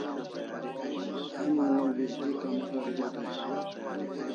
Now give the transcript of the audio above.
Heman o bis'li kamzor hiu dai